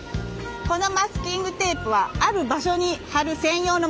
このマスキングテープはある場所に貼る専用のものです。